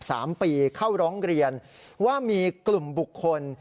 สามปีเข้าร้องเรียนว่ามีกลุ่มบุคคล